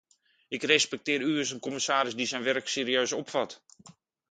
Ik respecteer u als een commissaris die zijn werk serieus opvat.